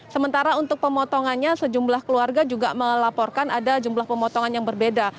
sementara untuk pemotongannya sejumlah keluarga juga melaporkan ada jumlah pemotongan yang berbeda